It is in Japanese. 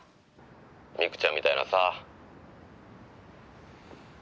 ミクちゃんみたいなさ。